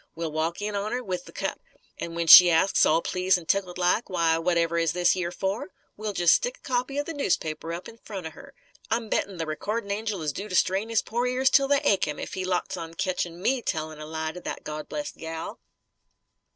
We'll walk in on her, with the cup. An' when she asks, all pleased an' tickled like, 'Why, whatever is this yer fer?' we'll jest stick a copy of the noospaper up in front of her. I'm bettin' the R'cordin' Angel is due to strain his pore ears till they ache him, if he 'lots on ketchin' me tellin' a lie to that Gawd blessed gal!"